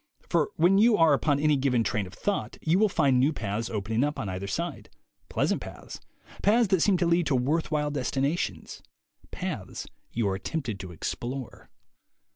For when you are upon any given train of thought, you will find new paths opening up on either side, pleasant paths, paths that seem to lead to worth while destinations, paths you are tempted to explore.